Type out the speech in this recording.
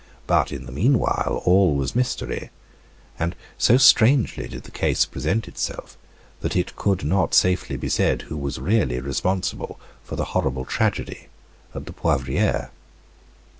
But, in the mean while, all was mystery, and so strangely did the case present itself that it could not safely be said who was really responsible for the horrible tragedy at the Poivriere.